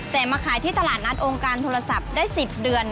แต่มาขายที่ตลาดนัดองค์การโทรศัพท์ได้๑๐เดือน